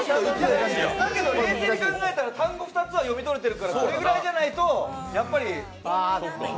冷静に考えたら単語２つは読み取れてるからそれぐらいじゃないと、やっぱり。